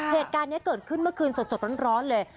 เหตุการณ์นี้เกิดขึ้นเมื่อคืนสดร้อนเลย